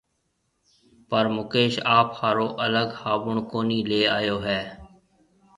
پر مڪيش آپ هارون الگ هابُڻ ڪونهي ليَ آيو هيَ۔